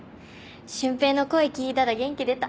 瞬平の声聞いたら元気出た。